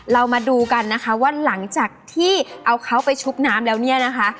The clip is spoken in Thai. เรามาดูกันนะคะว่าหลังจากที่เอาเขาไปชุบน้ำแล้วเนี่ยนะคะ